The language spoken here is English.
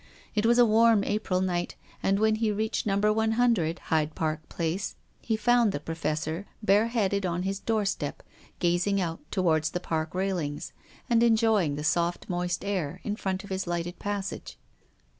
It was a warm A[)ril night, and, when he rcachrd number 100, Hyde Park Place, he found the Pro 272 TONGUES OF CONSCIENCE. fessor bareheaded on his doorstep, gazing out towards the Park railings, and enjoying the soft, moist air, in front of his hghted passage.